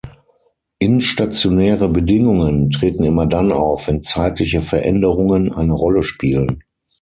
Instationäre Bedingungen treten immer dann auf, wenn zeitliche Veränderungen eine Rolle spielen.